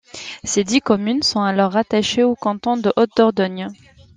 Ses dix communes sont alors rattachées au canton de Haute-Dordogne.